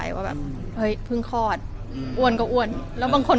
ต้องแบบโอ้โหต้องสวยเบอร์ไหนนะ